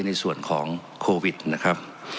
ในส่วนของโควิดนะครับ